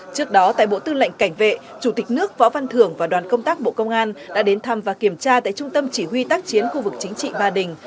trước đó tại bộ tư lệnh cảnh vệ chủ tịch nước võ văn thưởng và đoàn công tác bộ công an đã đến thăm và kiểm tra tại trung tâm chỉ huy tác chiến khu vực chính trị ba đình